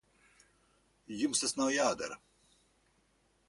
Jums tas nav jādara.